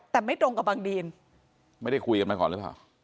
แต่ไม่ตรงกับบางดีนไม่ได้คุยกันมาก่อนหรือเปล่า